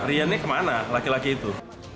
riannya kemana laki laki itu